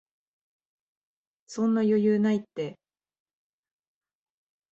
そんな余裕ないって